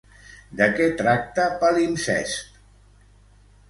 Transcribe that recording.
De què tracta Palimpsest?